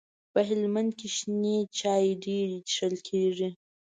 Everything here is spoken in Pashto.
په هلمند کي شنې چاي ډيري چیښل کیږي.